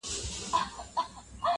• بیا یې پورته تر اسمانه واویلا وي -